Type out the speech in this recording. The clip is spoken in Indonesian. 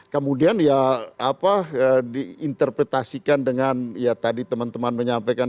kemudian diinterpretasikan dengan ya tadi teman teman menyampaikan